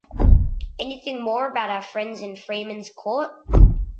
Anything more about our friends in Freeman’s Court?